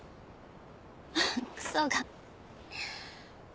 クソが。